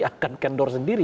akan kendor sendiri